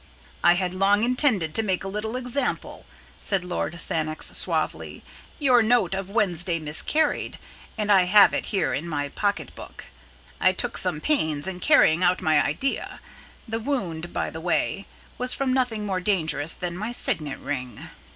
"I had long intended to make a little example," said Lord Sannox, suavely. "Your note of Wednesday miscarried, and I have it here in my pocket book. I took some pains in carrying out my idea. The wound, by the way, was from nothing more dangerous than my signet ring."